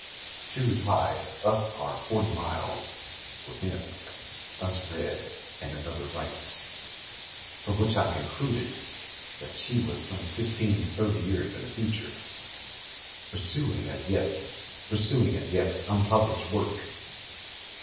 She replied: "Us are forty five miles within: us read, and another writes"; from which I concluded that she was some fifteen to thirty years in the future, perusing an as yet unpublished work.